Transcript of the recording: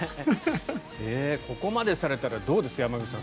ここまでされたらどうです、山口さん。